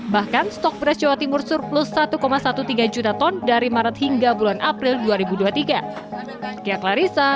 bahkan stok beras jawa timur surplus satu tiga belas juta ton dari maret hingga bulan april dua ribu dua puluh tiga